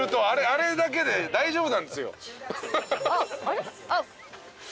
あれだけで大丈夫なんですよ。